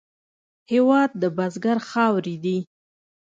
هېواد د بزګر خاورې دي.